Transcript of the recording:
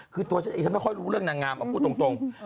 คือฉันต้องค่อยรู้เรื่องนางงามโปรดตรง